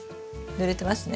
ぬれてますね。